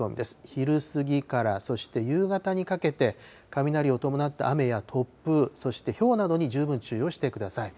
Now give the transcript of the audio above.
昼過ぎから、そして夕方にかけて、雷を伴った雨や突風、そしてひょうなどに十分注意をしてください。